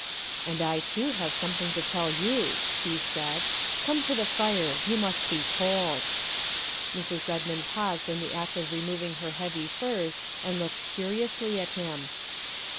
'' "And I too have something to tell you," he said. '' Come to the fire ; you must be cold. '' Mrs. Redmond paused in the act of removing her heavy furs and looked curiously at him.